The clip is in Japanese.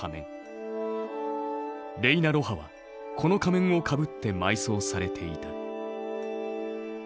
レイナ・ロハはこの仮面をかぶって埋葬されていた。